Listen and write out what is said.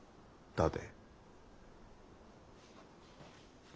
立て！